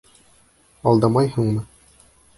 Алдамайһыңмы?